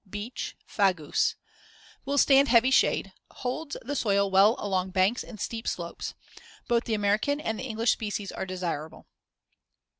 Beech (Fagus) Will stand heavy shade; holds the soil well along banks and steep slopes. Both the American and the English species are desirable.